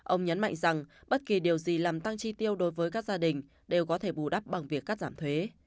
ông nhấn mạnh rằng bất kỳ điều gì làm tăng chi tiêu đối với các gia đình đều có thể bù đắp bằng việc cắt giảm thuế